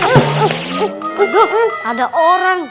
aduh ada orang